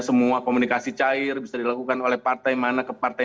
semua komunikasi cair bisa dilakukan oleh partai mana ke partai